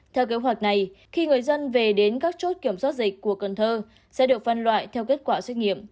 theo kế hoạch này khi người dân về đến các chốt kiểm soát dịch của cần thơ sẽ được phân loại theo kết quả xét nghiệm